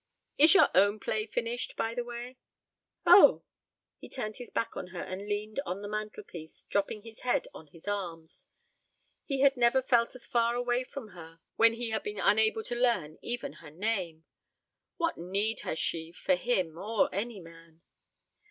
Is your own play finished, by the way?" "Oh!" He turned his back on her and leaned on the mantel piece, dropping his head on his arms. He had never felt as far away from her when he had been unable to learn even her name. What need had she of him or any man?